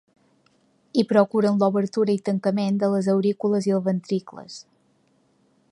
I procuren l'obertura i tancament de les aurícules i els ventricles.